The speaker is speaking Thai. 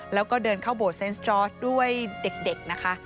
แล้วก็เดินเข้าโบสเซนส์จอร์สด้วยเด็กนะคะ